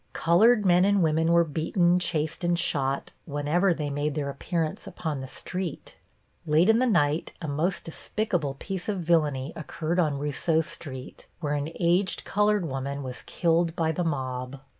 Colored men and women were beaten, chased and shot whenever they made their appearance upon the street. Late in the night a most despicable piece of villainy occurred on Rousseau Street, where an aged colored woman was killed by the mob.